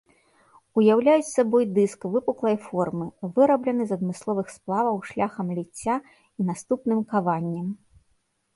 Уяўляюць сабой дыск выпуклай формы, выраблены з адмысловых сплаваў шляхам ліцця і наступным каваннем.